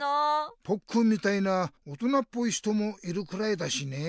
ポッくんみたいな大人っぽい人もいるくらいだしねえ。